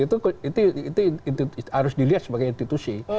itu harus dilihat sebagai institusi